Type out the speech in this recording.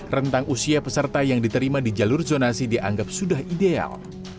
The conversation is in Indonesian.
rentang usia peserta yang diterima di jalur zonasi dianggap sudah ideal